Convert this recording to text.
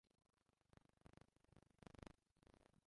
Imbwa ebyiri zijimye ziruka munzira